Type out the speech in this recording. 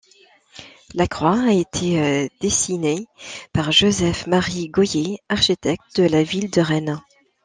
La croix a été dessinée par Joseph-Marie Gohier, architecte de la ville de Rennes.